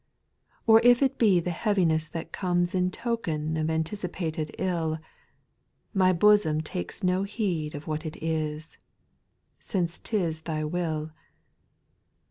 Or if it be the heaviness that comes In token of anticipated ill, My bosom takes no heed of what it is, Since 't is Thy will.